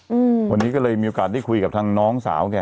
อืมวันนี้ก็เลยมีโอกาสได้คุยกับทางน้องสาวแก